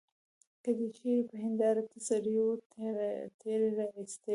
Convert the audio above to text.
که دي چیري په هنیداره کي سړی وو تېرایستلی.